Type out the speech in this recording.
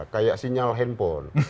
kayak sinyal handphone